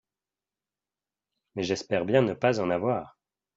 Mais j’espère bien ne pas en avoir !